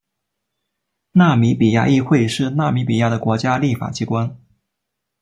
纳米比亚议会是纳米比亚的国家立法机关。